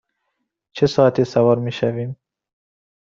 چه ساعتی سوار می شویم؟